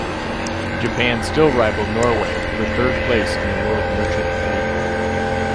Japan still rivalled Norway for third place in the world merchant fleet.